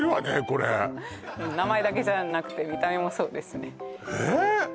これ名前だけじゃなくて見た目もそうですねえっ？